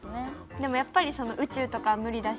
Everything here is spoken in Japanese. でもやっぱり宇宙とかは無理だし。